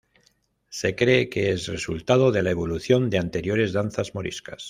Se cree que es resultado de la evolución de anteriores danzas moriscas.